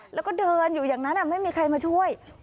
แล้วก็เดินอยู่อย่างนั้นไม่มีใครมาช่วย